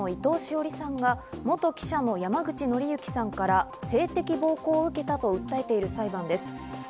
続いてジャーナリストの伊藤詩織さんが元記者の山口敬之さんから性的暴行を受けたと訴えている裁判です。